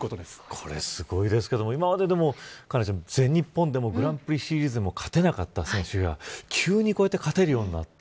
これすごいですけど今までも佳菜ちゃん、全日本でもグランプリシリーズでも勝てなかった選手が急にこうやって勝てるようになった。